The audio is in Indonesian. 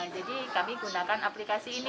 jadi kami gunakan aplikasi ini